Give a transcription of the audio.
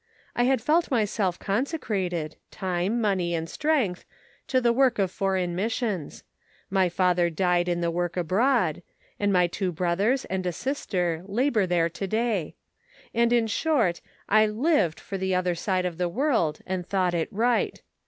I had felt myself consecrated — time, money and strength — to the work of Foreign Missions ; my father died in the work abroad, and two brothers and a sister labor there to day ; and, in short, I lived for the other side of the world, and thought it right.